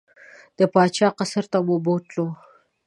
د پاچا قصر ته مو بوتلو.